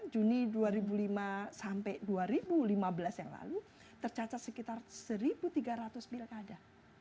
juni dua ribu lima sampai dua ribu lima belas yang lalu tercatat sekitar satu tiga ratus pilkada